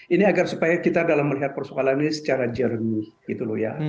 ini agar supaya kita dalam melihat persoalan ini secara jernih